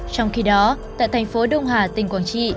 trong khi đó tại thành phố đông hà tỉnh quảng trị